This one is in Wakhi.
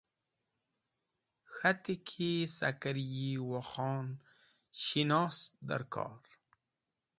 k̃hati ki saker yi Wakhon shinos dẽrkor.